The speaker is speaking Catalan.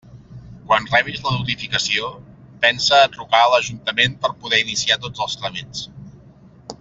Quan rebis la notificació, pensa a trucar a l'ajuntament per poder iniciar tots els tràmits.